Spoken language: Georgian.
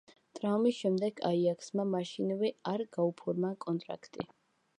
ტრავმის შემდეგ „აიაქსმა“ მაშინვე არ გაუფორმა კონტრაქტი.